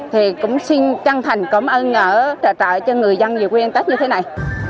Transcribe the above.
thì cũng xin chân thành cảm ơn ở trợ trợ cho người dân về quê ăn tết như thế này